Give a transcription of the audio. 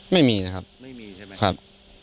ไม่มีนะครับไม่มีใช่ไหมครับ